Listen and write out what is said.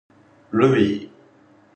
ルビー